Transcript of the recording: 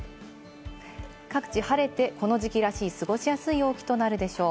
各地晴れて、この時期らしい過ごしやすい陽気となるでしょう。